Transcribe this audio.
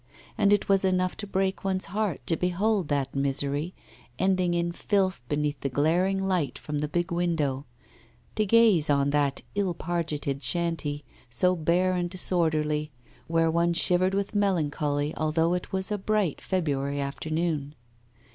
And it was enough to break one's heart to behold that misery ending in filth beneath the glaring light from the big window; to gaze on that ill pargetted shanty, so bare and disorderly, where one shivered with melancholy although it was a bright February afternoon.